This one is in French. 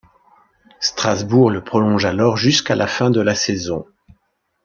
Strasbourg le prolonge alors jusqu'à la fin de la saison.